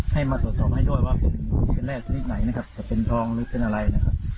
ให้มาตรวจสอบให้ด้วยว่าเป็นแร่หรือเป็นอะไรนะครับ